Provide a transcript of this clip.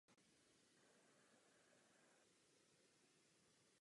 Musím říct, že s tím naprosto nesouhlasím.